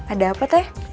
ada apa teh